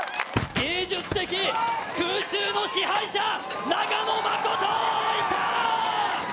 芸術的空中の支配者、長野誠、いったー！